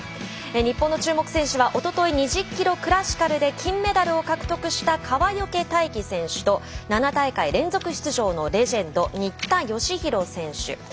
日本の注目選手はおととい２０ｋｍクラシカルで金メダルを獲得した川除大輝選手と７大会連続出場のレジェンド新田佳浩選手。